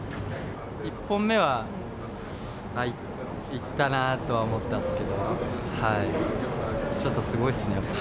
１本目は、あっ、行ったなって思ったんですけど、ちょっとすごいっすね、やっぱ。